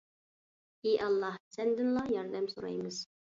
ئى ئاللاھ سەندىنلا ياردەم سورايمىز